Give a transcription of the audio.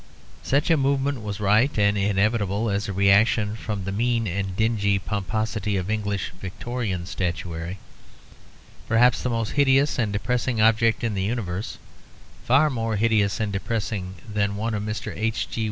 Such a movement was right and inevitable as a reaction from the mean and dingy pomposity of English Victorian statuary. Perhaps the most hideous and depressing object in the universe far more hideous and depressing than one of Mr. H.G.